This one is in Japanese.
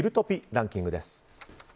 ランキングです。